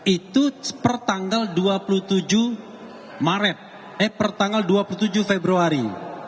itu per tanggal dua puluh tujuh maret eh per tanggal dua puluh tujuh februari